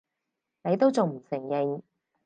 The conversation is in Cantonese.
你都仲唔承認！